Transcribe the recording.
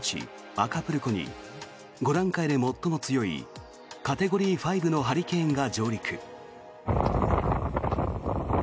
アカプルコに５段階で最も強いカテゴリー５のハリケーンが上陸。